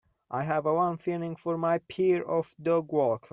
I have a warm feeling for my pair of dogwalkers.